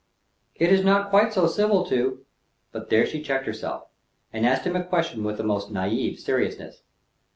"It is not quite so civil to" But there she checked herself, and asked him a question with the most naive seriousness.